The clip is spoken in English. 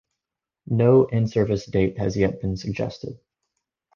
No in-service date has yet been suggested.